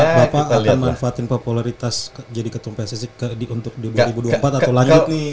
bapak akan manfaatin popularitas jadi ketum pssi untuk di dua ribu dua puluh empat atau lanjut nih